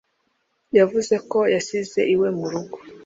Yavuze ko yasize iwe mu rugo